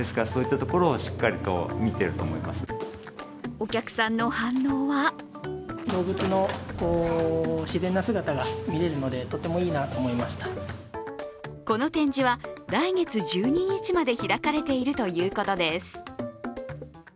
お客さんの反応はこの展示は来月１２日まで開かれているということです。